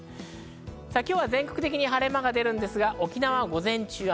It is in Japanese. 今日は全国的に晴れ間が出るんですが、沖縄は午前中、雨。